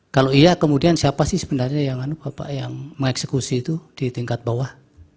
kalau iya kemudian siapa sih sebenarnya yang bapak yang mengeksekusi itu di tingkat bawah